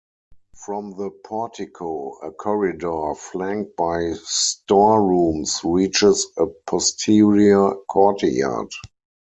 From the portico a corridor flanked by storerooms reaches a posterior courtyard.